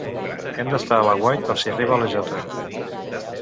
Hem d'estar a l'aguait per si arriba la J